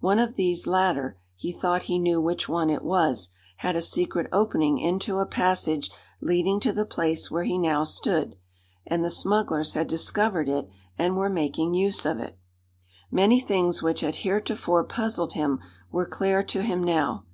One of these latter he thought he knew which one it was had a secret opening into a passage leading to the place where he now stood; and the smugglers had discovered it and were making use of it. Many things which had heretofore puzzled him were clear to him now.